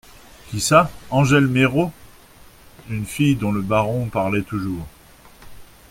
Qui ça, Angèle Méraud ? Une fille, dont le baron parlait toujours.